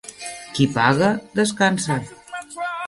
Qui paga descansa.